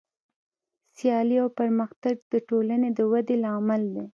سیالي او پرمختګ د ټولنې د ودې لامل دی.